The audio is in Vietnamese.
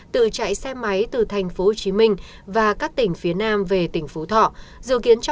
tự chạy xem máy từ thành phố hồ chí minh và các tỉnh phía nam về tỉnh phú thọ